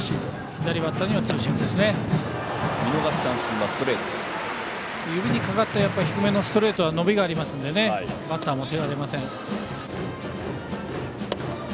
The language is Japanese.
左バッターには見逃し三振は指にかかった低めのストレートは伸びがありますのでバッターも手が出ません。